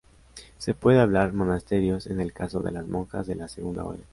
Se puede hablar monasterios en el caso de las monjas de la segunda orden.